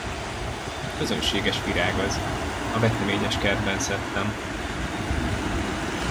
Közönséges virág az, a veteményeskertben szedtem.